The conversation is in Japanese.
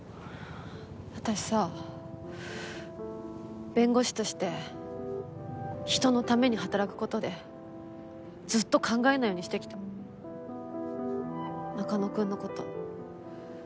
私さ弁護士として人のために働く事でずっと考えないようにしてきた中野くんの事。